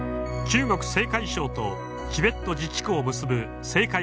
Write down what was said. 中国・青海省とチベット自治区を結ぶ青海